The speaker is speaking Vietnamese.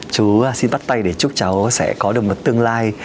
chú xin bắt tay để chúc cháu sẽ có được một tương lai